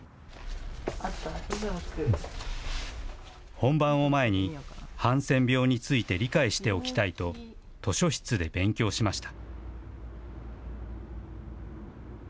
本番を前に、ハンセン病について理解しておきたいと、図書室で勉強しました。